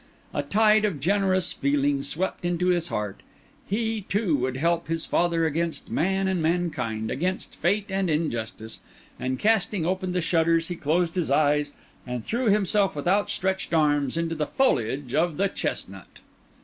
A tide of generous feeling swept into his heart; he, too, would help his father against man and mankind, against fate and justice; and casting open the shutters he closed his eyes and threw himself with out stretched arms into the foliage of the chestnut.